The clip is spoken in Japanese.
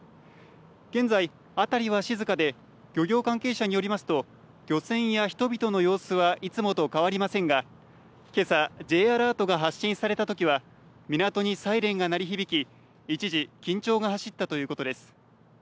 現在、辺りは静かで漁業関係者によりますと漁船や人々の様子はいつもと変わりませんが、けさＪアラートが発信されたときは港にサイレンが鳴り響き一時、緊張が走ったということです。